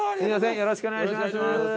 よろしくお願いします。